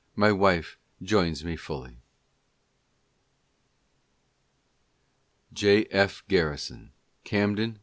. My wife joins me fully. J. F. Garrison, Cai?iden, N.